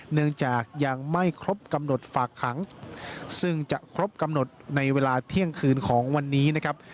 เนื่องจากยังไม่ครบกำหนดฝากขังซึ่งจะครบกำหนดในเวลาเที่ยงคืนของวันนี้นะครับ